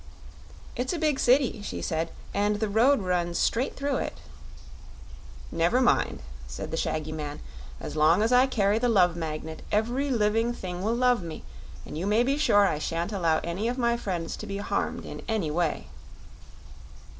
"It's a big city," she said, "and the road runs straight through it." "Never mind," said the shaggy man; "as long as I carry the Love Magnet every living thing will love me, and you may be sure I shan't allow any of my friends to be harmed in any way."